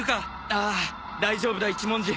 ああ大丈夫だ一文字。